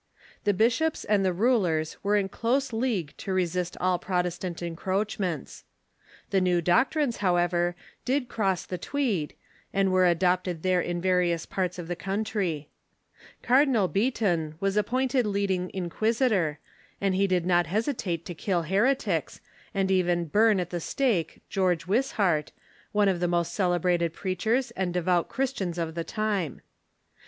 The bishops and the rulers were in close league to resist all Protestant en croachments. The new doctrines, however, did cross the Tweed, and were adopted there in various parts of the coun 256 THE REFORMATION try. Cardinal Beatoun was appointed leading inquisitor, and he did not hesitate to kill heretics, and to even burn at tlie stake George AVishart, one of the most celebrated preachers and devout Christians of the time.